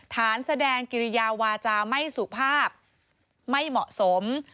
แสดงกิริยาวาจาไม่สุภาพไม่เหมาะสม